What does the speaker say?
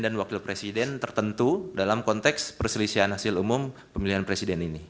wakil presiden tertentu dalam konteks perselisihan hasil umum pemilihan presiden ini